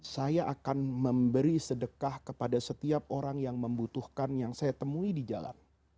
saya akan memberi sedekah kepada setiap orang yang membutuhkan yang saya temui di jalan